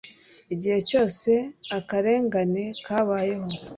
Igihe cyose akarengane kabayeho,